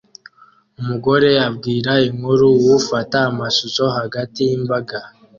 Umugore abwira inkuru uwufata amashusho hagati yimbaga